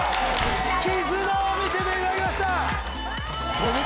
絆を見せていただきました！